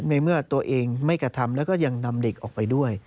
ในเมื่อตัวเองไม่กระทำแล้วก็ยังนำเด็กออกไปด้วย